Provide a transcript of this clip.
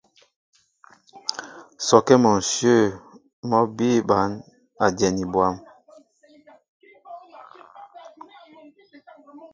Sɔkɛ́ mɔ ǹshyə̂ mɔ́ bíí bǎn a dyɛni bwâm.